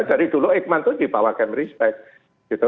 dari dulu eijkman itu dibawakan respect